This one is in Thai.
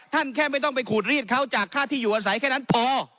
แค่ไม่ต้องไปขูดรีดเขาจากค่าที่อยู่อาศัยแค่นั้นพอ